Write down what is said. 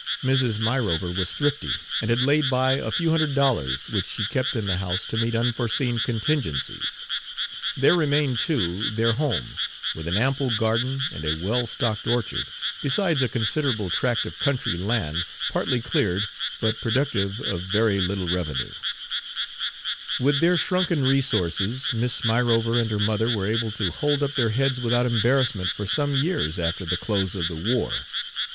Mrs. Myrover was thrifty, and had laid by a few hundred dollars, which she kept in the house to meet unforeseen contingencies. There remained, too, their home, with an ample garden and a well stocked orchard, besides a considerable tract of country land, partly cleared, but productive of very little revenue. Page 272 With their shrunken resources, Miss Myrover and her mother were able to hold up their heads without embarrassment for some years after the close of the war.